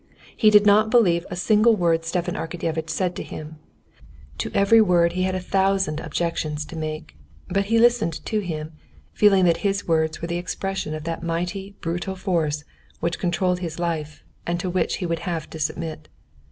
He did not believe a single word Stepan Arkadyevitch said to him; to every word he had a thousand objections to make, but he listened to him, feeling that his words were the expression of that mighty brutal force which controlled his life and to which he would have to submit.